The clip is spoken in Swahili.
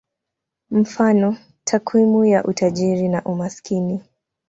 Mfano: takwimu ya utajiri na umaskini.